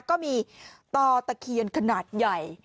ก็มีต่อตะเคียนขนาดใหญ่